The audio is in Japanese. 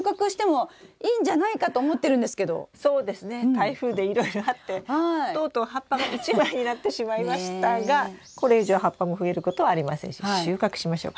台風でいろいろあってとうとう葉っぱが１枚になってしまいましたがこれ以上葉っぱも増えることはありませんし収穫しましょう。